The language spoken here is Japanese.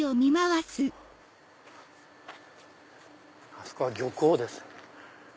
あそこは漁港です。